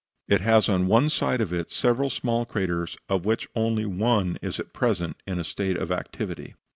It has on one side of it several small craters, of which only one is at present in a state of activity.